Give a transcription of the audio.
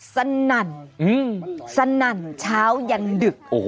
สนั่นสนั่นเช้ายันดึก